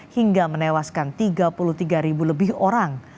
hingga menewaskan tiga puluh tiga ribu lebih orang